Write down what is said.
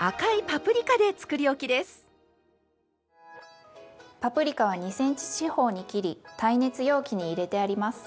パプリカは２ｃｍ四方に切り耐熱容器に入れてあります。